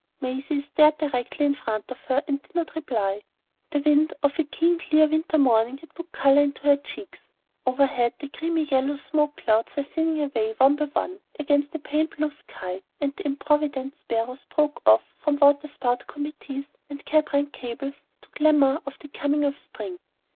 Maisie stared directly in front of her and did not reply. The wind of a keen clear winter morning had put colour into her cheeks. Overhead, the creamy yellow smoke clouds were thinning away one by one against a pale blue sky, and the improvident sparrows broke off from water spout committees and cab rank cabals to clamour of the coming of spring.